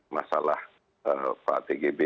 masalah pak tgb